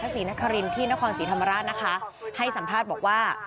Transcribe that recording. พระศรีนครินทร์ที่นครศรีธรรมราชให้สัมภาษณ์บอกว่า